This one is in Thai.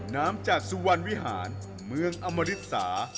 น้ำจากสุวรรณวิหารเมืองอมริสา